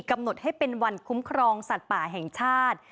กำหนดให้เป็นวันคุ้มครองสัตว์ป่าแห่งชาติ